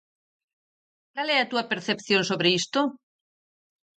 Cal é a túa percepción sobre isto?